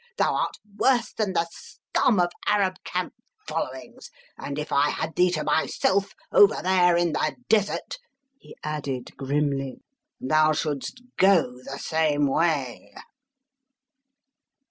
Thou art worse than the scum of Arab camp followings. And if I had thee to myself, over there in the desert," he added grimly, "thou shouldst go the same way!"